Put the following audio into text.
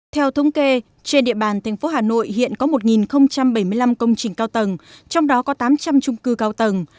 theo thống kê trên địa bàn tp hà nội hiện có một bảy mươi năm công trình cao tầng trong đó có tám trăm linh trung cư cao tầng